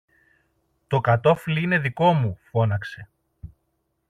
Το κατώφλι είναι δικό μου, φώναξε.